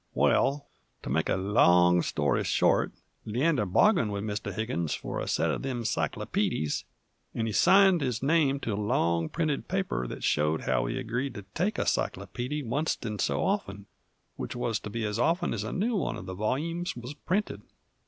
Waal, to make a long story short, Leander bargained with Mr. Higgins for a set uv them cyclopeedies, 'nd he signed his name to a long printed paper that showed how he agreed to take a cyclopeedy oncet in so often, which wuz to be ez often ez a new one uv the volyumes wuz printed.